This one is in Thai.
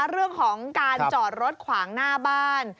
เรื่องของการจอดรถขวางหน้าบ้าน